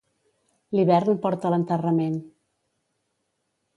L'hivern porta l'enterrament.